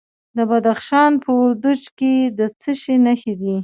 د بدخشان په وردوج کې د څه شي نښې دي؟